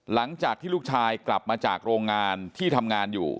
หลังจากที่ลูกชายกลับมาจากโรงงานที่ทำงานอยู่